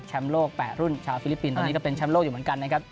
โลก๘รุ่นชาวฟิลิปปินส์ตอนนี้ก็เป็นแชมป์โลกอยู่เหมือนกันนะครับ